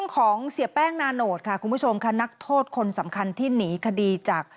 ของเสียแป้งนาโนตค่ะคุณผู้ชมค่ะนักโทษคนสำคัญที่หนีคดีจาก